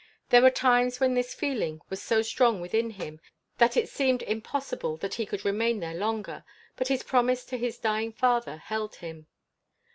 There were times when this feeling was so strong within him that it seemed impossible that he could remain there longer; but his promise to his dying father held him.